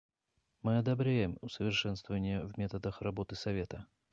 Мы одобряем усовершенствования в методах работы Совета.